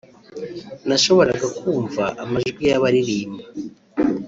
nashoboraga kumva amajwi y’abaririmba